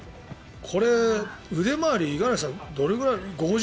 これ、腕回り五十嵐さん、どれくらい？